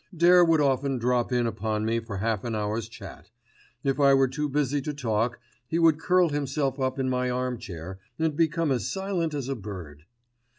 Dare would often drop in upon me for half an hour's chat. If I were too busy to talk, he would curl himself up in my arm chair and become as silent as a bird.